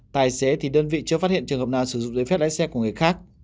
tài xế thì đơn vị chưa phát hiện trường hợp nào sử dụng giấy phép lái xe của người khác